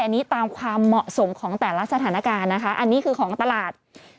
อันนี้ตามความเหมาะสมของแต่ละสถานการณ์นะคะอันนี้คือของตลาด